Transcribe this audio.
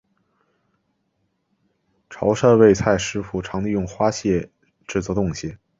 潮洲味菜师傅常利用花蟹制作冻蟹。